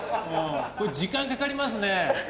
これ時間かかりますね。